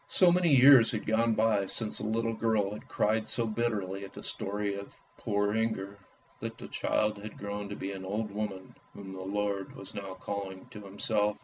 So many years had gone by since the little girl had cried so bitterly at the story of " Poor Inger," that the child had grown to be an old woman whom the Lord was now calling to Himself.